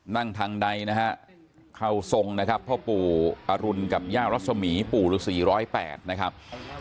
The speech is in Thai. นั่งทางใดนะฮะเข้าทรงนะครับพ่อปู่อรุณกับย่ารัศมีปู่ฤษี๑๐๘นะครับ